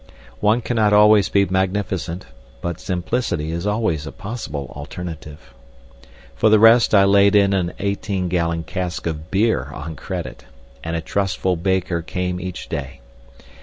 One cannot always be magnificent, but simplicity is always a possible alternative. For the rest I laid in an eighteen gallon cask of beer on credit, and a trustful baker came each day.